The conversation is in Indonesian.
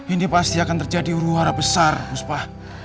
ini pasti akan terjadi uruh harap besar buspah